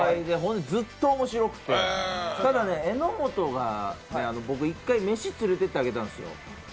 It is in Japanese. ずっと面白くてただ、榎本が僕、一回飯連れていってあげたんですよ